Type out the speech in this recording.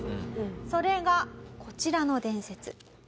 それがこちらの伝説。